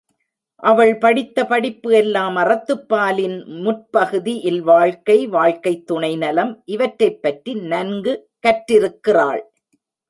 அவள் படித்த படிப்பு எல்லாம் அறத்துப்பாலின் முற்பகுதி, இல்வாழ்க்கை, வாழ்க்கைத் துணை நலம் இவற்றைப் பற்றி நன்கு கற்றிருக்கிறாள்.